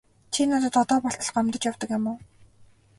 Чи надад одоо болтол гомдож явдаг юм уу?